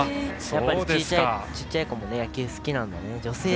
やっぱり小さい子も野球好きなんだね。